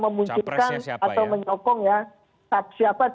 memunculkan atau menyokong ya capresnya siapa ya